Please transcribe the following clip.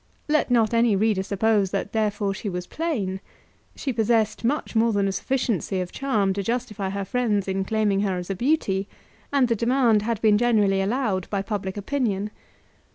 Let not any reader suppose that therefore she was plain. She possessed much more than a sufficiency of charm to justify her friends in claiming her as a beauty, and the demand had been generally allowed by public opinion.